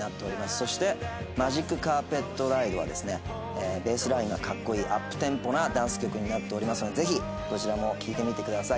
「そして『ＭＡＧＩＣＣＡＲＰＥＴＲＩＤＥ』はですねベースラインがかっこいいアップテンポなダンス曲になっておりますのでぜひどちらも聴いてみてください」